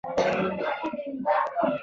ناچیز پرمختګونه هم پر شا تمبوي.